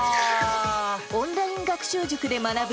オンライン学習塾で学ぶ